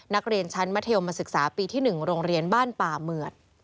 นักเรียนชั้นมัธยมศึกษาปีที่๑โรงเรียนบ้านป่าเหมือด